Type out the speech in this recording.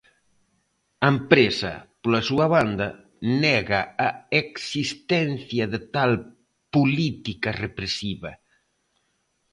A empresa, pola súa banda, nega a existencia de tal "política represiva".